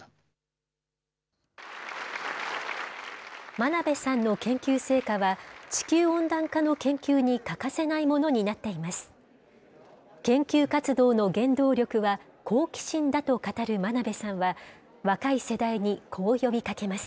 真鍋さんの研究成果は、地球温暖化の研究に欠かせないものになっています。